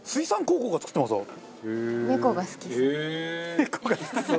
猫が好きそう。